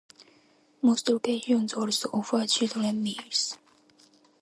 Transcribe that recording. Most locations also offer children meals.